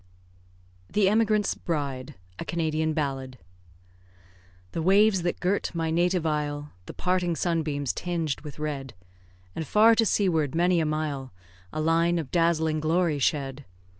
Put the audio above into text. THE EMIGRANT'S BRIDE A Canadian ballad The waves that girt my native isle, The parting sunbeams tinged with red; And far to seaward, many a mile, A line of dazzling glory shed.